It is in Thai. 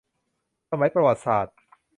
สมัยประวัติศาสตร์